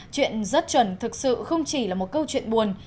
chuyện rất chuẩn thực sự không chỉ là một câu chuyện buồn